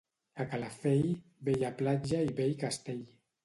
A Calafell, bella platja i vell castell.